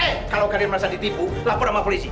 eh kalau kalian merasa ditipu lapor sama polisi